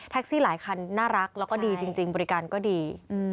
ซี่หลายคันน่ารักแล้วก็ดีจริงบริการก็ดี